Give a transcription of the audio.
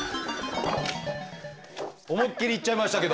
思いっきりいっちゃいましたけど。